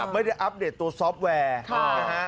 ไม่ได้อัปเดตตัวซอฟต์แวร์